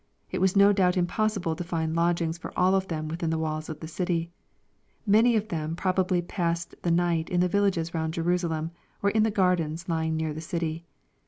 It was no doubt impossible to find lodgings for all of them within the walls of the city. Many of them pro bably passed the night in the villages round Jerusalem, or in the gardens lying near the city.